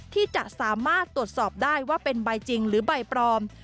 ที่จะสามารถตรวจสอบได้ว่าเป็นใบจริงหรือใบปลอม